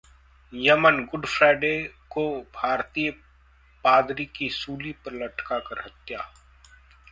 Yemen: Good Friday को भारतीय पादरी की सूली पर लटका कर हत्या